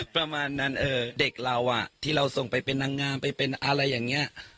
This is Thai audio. ประมาณนั้นเด็กเราที่เราส่งไปเป็นนางงามไปเป็นอะไรอย่างนี้